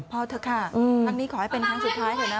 เถอะค่ะครั้งนี้ขอให้เป็นครั้งสุดท้ายเถอะนะ